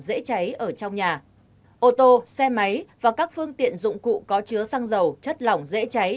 dễ cháy ở trong nhà ô tô xe máy và các phương tiện dụng cụ có chứa xăng dầu chất lỏng dễ cháy